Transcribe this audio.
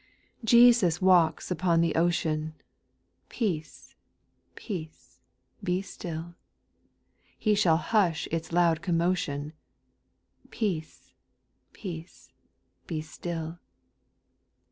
6. Jesus walks upon the ocean. Peace, peace, be still ; He shall hush its loud commotion, Peace, peace, be still.